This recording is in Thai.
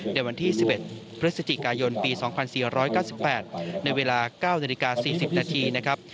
ในวันที่๑๑พฤศจิกายนปี๒๔๙๘ในเวลา๙นาฬิกา๔๐นาทีนะครับ